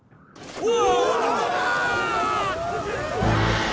うわ！